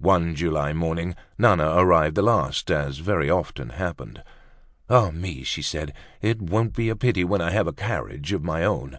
One July morning Nana arrived the last, as very often happened. "Ah, me!" she said, "it won't be a pity when I have a carriage of my own."